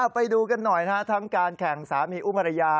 ไปดูกันหน่อยทั้งการแข่งสามีอุมารยา